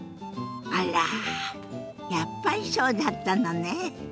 あらやっぱりそうだったのね。